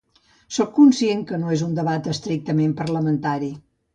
Sóc conscient que no és un debat estrictament parlamentari.